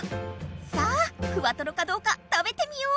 さぁフワトロかどうか食べてみよう！